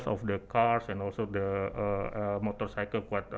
itulah mengapa jualan mobil dan motor cukup cepat